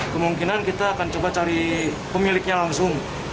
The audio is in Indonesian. kemungkinan kita akan coba cari pemiliknya langsung